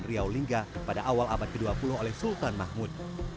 riau lingga pada awal abad ke dua puluh oleh sultan mahmud